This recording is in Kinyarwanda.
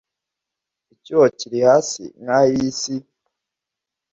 Icyuho kiri hasi nkaho iyi si